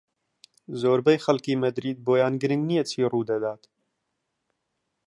زۆربەی خەڵکی مەدرید بۆیان گرنگ نییە چی ڕوودەدات.